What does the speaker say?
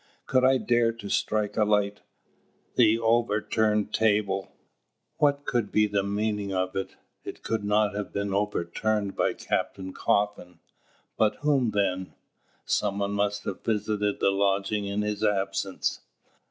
Could I dare to strike a light? The overturned table: What could be the meaning of it? It could not have been overturned by Captain Coffin? By whom then? Some one must have visited the lodgings in his absence.